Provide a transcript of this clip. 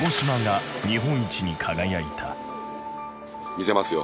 見せますよ